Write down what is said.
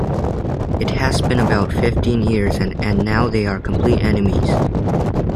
It has been about fifteen years, and now they are complete enemies.